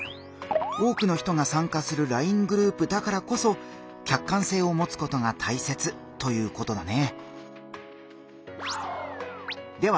多くの人が参加するＬＩＮＥグループだからこそ客観性をもつことがたいせつということだね。